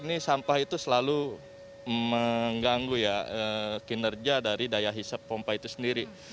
ini sampah itu selalu mengganggu ya kinerja dari daya hisap pompa itu sendiri